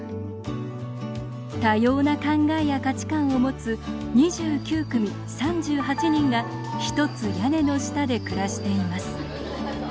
多様な考えや価値観を持つ２９組３８人が一つ屋根の下で暮らしています。